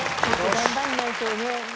頑張らないとね。